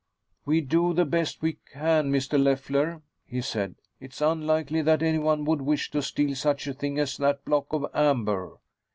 "We do the best we can, Mr. Leffler," he said. "It is unlikely that anyone would wish to steal such a thing as that block of amber."